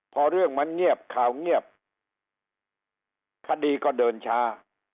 พอเรื่องมันเงียบข่าวเงียบคดีก็เดินช้า